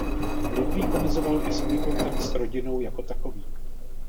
Ludvík omezoval i svůj kontakt s rodinou jako takový.